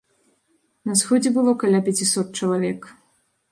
На сходзе было каля пяцісот чалавек.